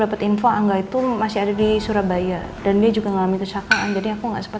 dapet info angga itu masih ada di surabaya dan dia juga ngalamin kecelakaan jadi aku nggak sempet